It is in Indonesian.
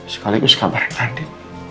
sekaligus kabar yang tadi